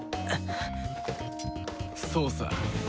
そうさ。